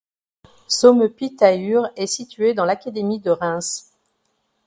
Sommepy-Tahure est située dans l'académie de Reims.